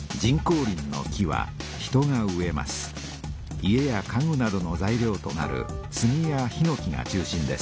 家や家具などの材料となるスギやヒノキが中心です。